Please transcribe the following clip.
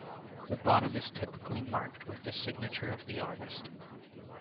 The bottom is typically marked with the signature of the artist.